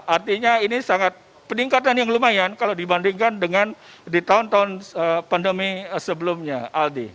artinya ini sangat peningkatan yang lumayan kalau dibandingkan dengan di tahun tahun pandemi sebelumnya aldi